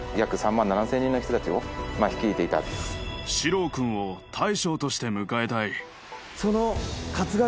・四郎君を大将として迎えたい。